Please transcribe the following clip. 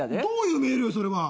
どういうメールよ？